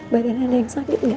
badan anda yang sakit nggak